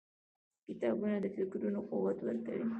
• کتابونه د فکرونو قوت ورکوي.